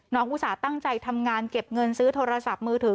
อุตส่าห์ตั้งใจทำงานเก็บเงินซื้อโทรศัพท์มือถือ